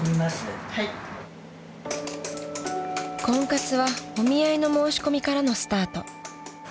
［婚活はお見合いの申し込みからのスタート］